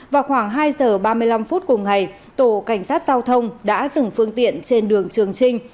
vào khoảng hai giờ ba mươi năm phút cùng ngày tổ cảnh sát giao thông đã dừng phương tiện trên đường trường trinh